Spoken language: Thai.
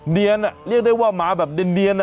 เนียนน่ะเรียกได้ว่าหมาแบบเด็นน่ะ